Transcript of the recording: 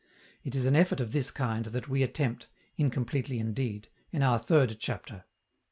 It is an effort of this kind that we attempt incompletely indeed in our third chapter.